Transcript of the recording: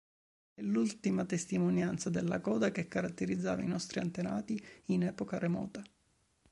È l'ultima testimonianza della coda che caratterizzava i nostri antenati in epoca remota.